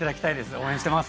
応援しています。